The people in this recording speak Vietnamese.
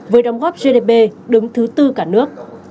với đóng góp gdp đứng thứ tư cả nước